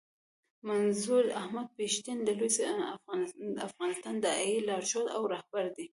منظور احمد پښتين د لوی افغانستان د داعیې لارښود او رهبر دی.